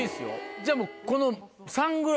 じゃあもうこの。